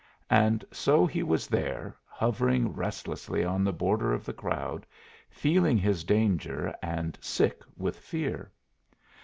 And so he was there, hovering restlessly on the border of the crowd, feeling his danger and sick with fear.